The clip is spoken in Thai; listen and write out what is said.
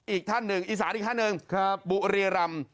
อีกท่านหนึ่งอีสานอีกท่านหนึ่งบุรีรำ